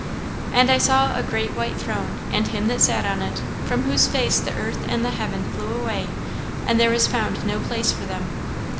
"And I saw a great white throne, and him that sat on it, from whose face the earth and the heaven flew away; and there was found no place for them.